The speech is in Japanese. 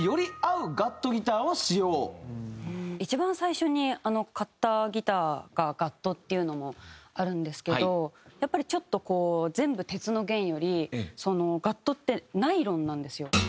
一番最初に買ったギターがガットっていうのもあるんですけどやっぱりちょっとこう全部鉄の弦よりガットってナイロンなんですよ。